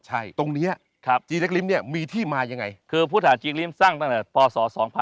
ใช่ตรงนี้จีเล็กริมเนี่ยมีที่มายังไงคือพุทธาจีลิ้มสร้างตั้งแต่ปศ๒๕๖๒